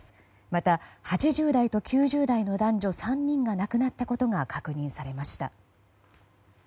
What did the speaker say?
また、８０代と９０代の男女３人が亡くなったことが確認されました。